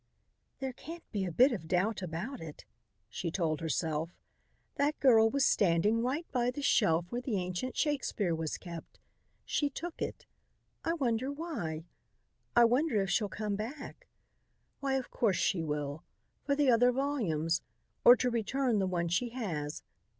"There can't be a bit of doubt about it," she told herself. "That girl was standing right by the shelf where the ancient Shakespeare was kept. She took it. I wonder why? I wonder if she'll come back. Why, of course she will! For the other volume, or to return the one she has.